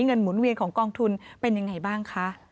หมุนเวียนของกองทุนเป็นยังไงบ้างคะ